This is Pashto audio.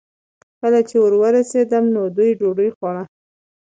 کله چې ور ورسېدم، نو دوی ډوډۍ خوړه.